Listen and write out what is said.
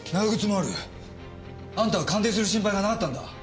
あんたは感電する心配がなかったんだ。